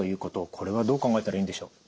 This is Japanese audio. これはどう考えたらいいんでしょう？